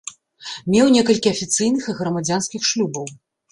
Меў некалькі афіцыйных і грамадзянскіх шлюбаў.